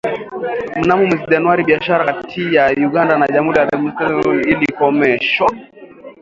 Mnamo mwezi Januari biashara kati ya Uganda na Jamuhuri ya Demokrasia ya Kongo ilikomeshwa